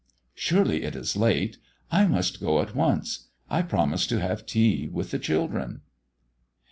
"Surely it is late! I must go at once. I promised to have tea with the children."